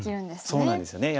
そうなんですよね。